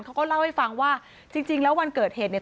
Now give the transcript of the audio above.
เขาก็เล่าให้ฟังว่าจริงแล้ววันเกิดเหตุเนี่ย